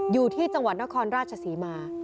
อยู่ที่จังหวัดนครราชศรีมา